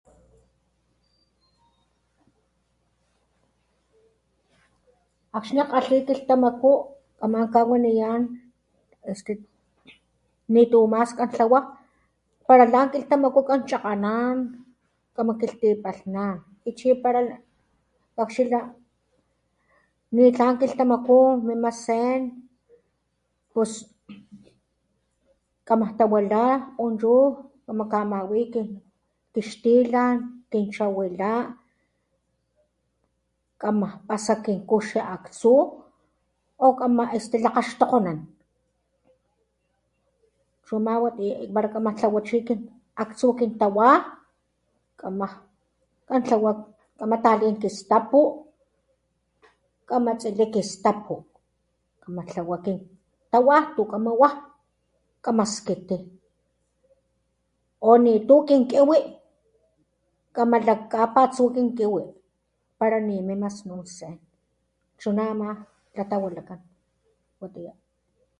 Akxni jkgalhi kiltamaku kaman kawaniyan es que nitu mas kan tlawa pala lan kilhtamaku kanchakganan kama kilhtipalhnan y chi pala kakxila ni tlan kilhtamaku mima sen pus kamatawila punchu kama kamawi ki xtilan kin chawila kama pasa kin kuxi aktsu o kama este lakgaxtokgonan chuma watiya pala kamatlawa chi aktsu kin tawa kamaj tlawa kama talin kistapu kama tsili kistapu kama tlawa kin tawa tu kama wa kama skiti o nitu kin kiwi kama lajka patsu kin kiwi pala ni mima snun sen chu nama latawilakan. Watiya.